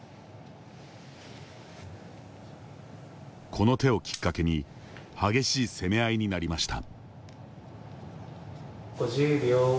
この手をきっかけに激しい攻め合いになりました。